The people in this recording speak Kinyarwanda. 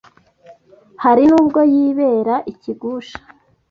hari n’ubwo yibera ikigusha